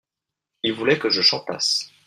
il voulait que je chantasse.